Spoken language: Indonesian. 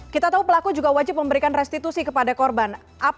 kita tahu pelaku juga wajib memberikan restitusi kepada korban